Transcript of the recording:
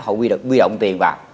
họ quy đậu tiền vào